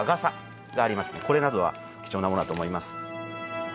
これなどは貴重なものだと思います。